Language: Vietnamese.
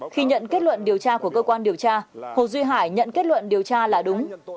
khi nhận kết luận điều tra của cơ quan điều tra hồ duy hải nhận kết luận điều tra là đúng